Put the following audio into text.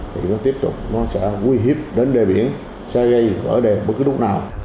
thì nó tiếp tục nó sẽ nguy hiểm đến đề biển sẽ gây vỡ đề bất cứ lúc nào